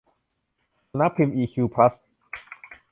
สำนักพิมพ์อีคิวพลัส